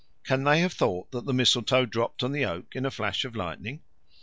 Can they have thought that the mistletoe dropped on the oak in a flash of lightning?